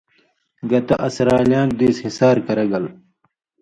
گتہ اس رالیان٘ک دیس ہِسار کرہ گل!“۔